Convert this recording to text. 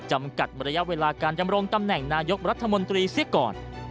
จำกัดระยะเวลาการดำรงตำแหน่งนายกรัฐมนตรีเสียก่อน